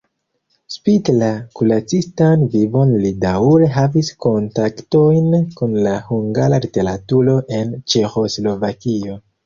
Spite la kuracistan vivon li daŭre havis kontaktojn kun la hungara literaturo en Ĉeĥoslovakio.